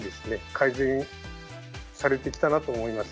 改善されてきたなと思います。